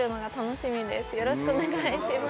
よろしくお願いします。